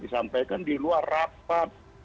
sampaikan di luar rapat